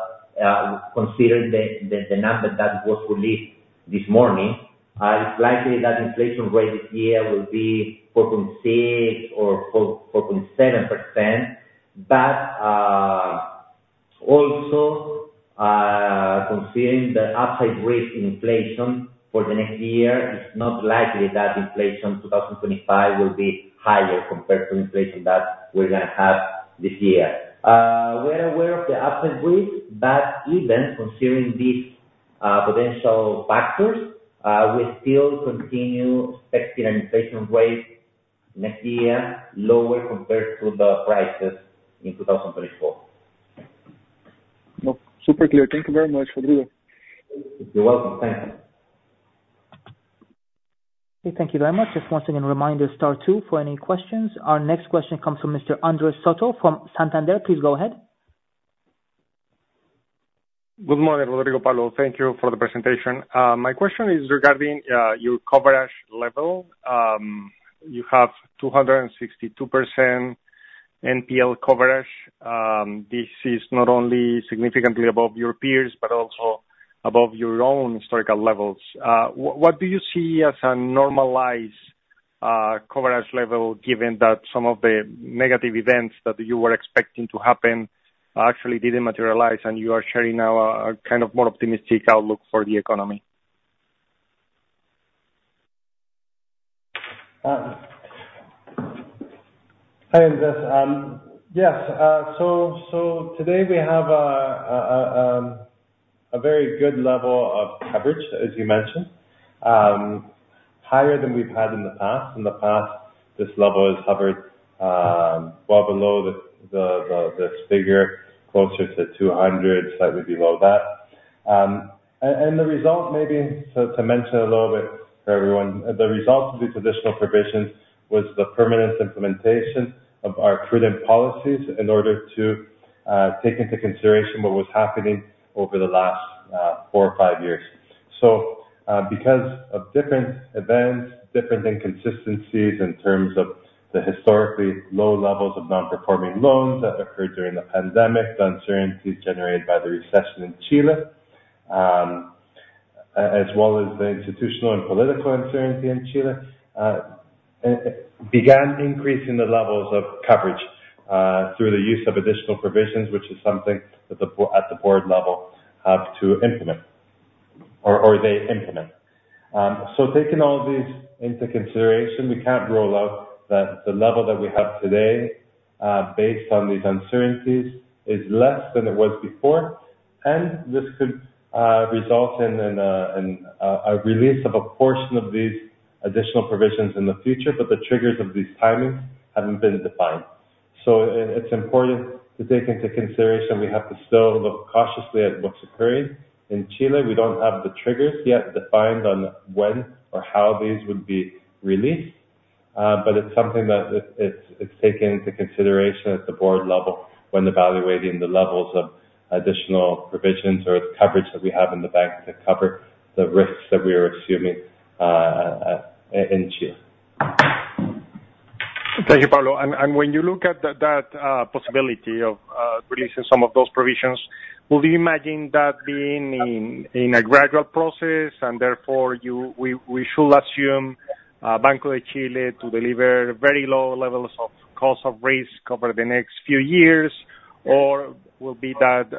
considering the number that was released this morning. It's likely that inflation rate this year will be 4.6% or 4.7%, but also, considering the upside risk in inflation for the next year, it's not likely that inflation 2025 will be higher compared to inflation that we're going to have this year. We're aware of the upside risk, but even considering these potential factors, we still continue expecting an inflation rate next year lower compared to the prices in 2024.
No, super clear. Thank you very much, Rodrigo.
You're welcome. Thanks.
Thank you very much. Just once again, reminder, star two for any questions. Our next question comes from Mr. Andres Soto from Santander. Please go ahead.
Good morning, Rodrigo, Pablo. Thank you for the presentation. My question is regarding your coverage level. You have 262% NPL coverage. This is not only significantly above your peers, but also above your own historical levels. What do you see as a normalized coverage level given that some of the negative events that you were expecting to happen actually didn't materialize and you are sharing now a kind of more optimistic outlook for the economy?
Hi, Andres. Yes. So today, we have a very good level of coverage, as you mentioned, higher than we've had in the past. In the past, this level is covered well below this figure, closer to 200, slightly below that. And the result, maybe to mention a little bit for everyone, the result of these additional provisions was the permanent implementation of our prudent policies in order to take into consideration what was happening over the last four or five years. So because of different events, different inconsistencies in terms of the historically low levels of non-performing loans that occurred during the pandemic, the uncertainties generated by the recession in Chile, as well as the institutional and political uncertainty in Chile, began increasing the levels of coverage through the use of additional provisions, which is something that at the board level have to implement or they implement. So taking all these into consideration, we can't rule out that the level that we have today, based on these uncertainties, is less than it was before. And this could result in a release of a portion of these additional provisions in the future, but the triggers of these timings haven't been defined. So it's important to take into consideration we have to still look cautiously at what's occurring. In Chile, we don't have the triggers yet defined on when or how these would be released. But it's something that is taken into consideration at the board level when evaluating the levels of additional provisions or the coverage that we have in the bank to cover the risks that we are assuming in Chile.
Thank you, Pablo. And when you look at that possibility of releasing some of those provisions, would you imagine that being in a gradual process and therefore we should assume Banco de Chile to deliver very low levels of cost of risk over the next few years, or will be that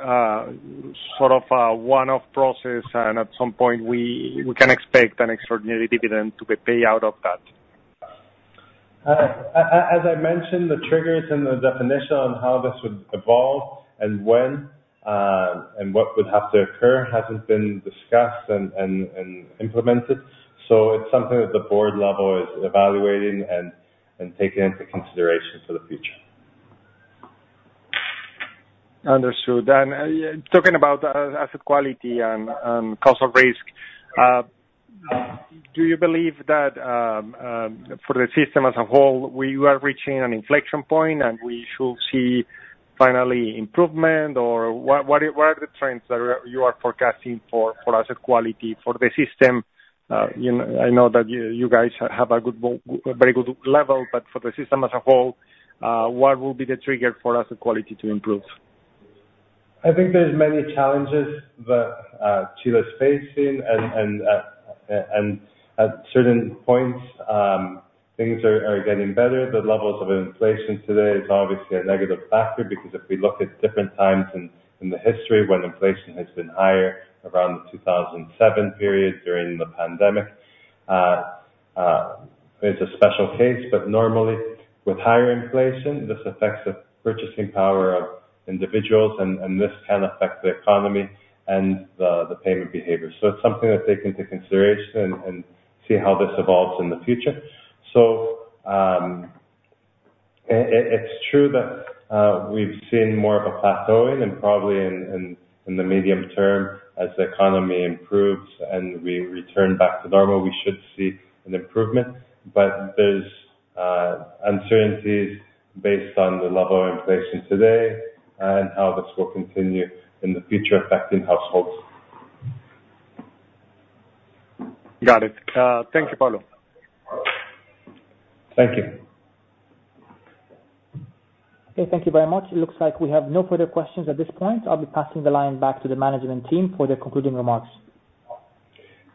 sort of one-off process and at some point we can expect an extraordinary dividend to be paid out of that?
As I mentioned, the triggers and the definition on how this would evolve and when and what would have to occur hasn't been discussed and implemented. So it's something that the board level is evaluating and taking into consideration for the future.
Understood. Talking about asset quality and cost of risk, do you believe that for the system as a whole, we are reaching an inflection point and we should see finally improvement, or what are the trends that you are forecasting for asset quality for the system? I know that you guys have a very good level, but for the system as a whole, what will be the trigger for asset quality to improve?
I think there's many challenges that Chile is facing, and at certain points, things are getting better. The levels of inflation today is obviously a negative factor because if we look at different times in the history when inflation has been higher, around the 2007 period during the pandemic, it's a special case. But normally, with higher inflation, this affects the purchasing power of individuals, and this can affect the economy and the payment behavior. So it's something to take into consideration and see how this evolves in the future. So it's true that we've seen more of a plateauing, and probably in the medium term as the economy improves and we return back to normal, we should see an improvement. But there's uncertainties based on the level of inflation today and how this will continue in the future affecting households.
Got it. Thank you, Pablo.
Thank you.
Okay. Thank you very much. It looks like we have no further questions at this point. I'll be passing the line back to the management team for their concluding remarks.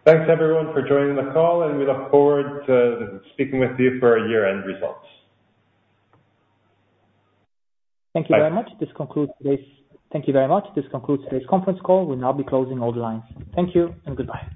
Thanks, everyone, for joining the call, and we look forward to speaking with you for our year-end results.
Thank you very much. Thank you very much. This concludes today's conference call. We'll now be closing all the lines. Thank you and goodbye.